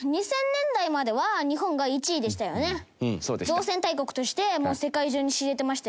造船大国として世界中に知れてましたよね。